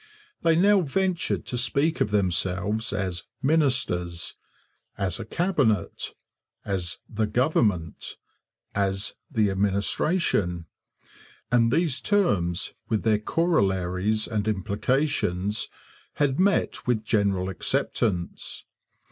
They now ventured to speak of themselves as 'ministers,' as a 'cabinet,' as the 'government,' as the 'administration'; and these terms, with their corollaries and implications, had met with general acceptance.